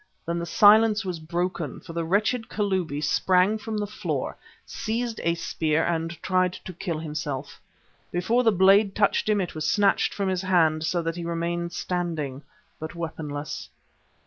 Then the silence was broken, for the wretched Kalubi sprang from the floor, seized a spear and tried to kill himself. Before the blade touched him it was snatched from his hand, so that he remained standing, but weaponless.